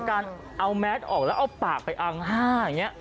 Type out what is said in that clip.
การเอาแมสออกแล้วเอาปากไปอังห้าอย่างนี้